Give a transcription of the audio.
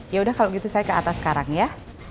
ya udah kalau gitu saya ke atas sekarang ya